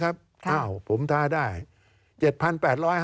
การเลือกตั้งครั้งนี้แน่